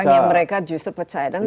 orang yang mereka justru percaya